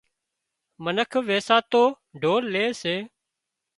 منک ويساتو ڍول لي سي